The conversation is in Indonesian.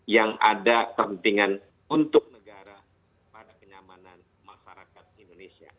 yang ada kepentingan untuk negara pada kenyamanan masyarakat indonesia